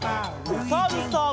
おさるさん。